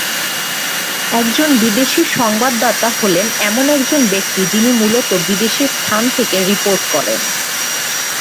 একজন বিদেশি সংবাদদাতা হলেন এমন একজন ব্যক্তি যিনি মূলত বিদেশি স্থান থেকে রিপোর্ট করেন।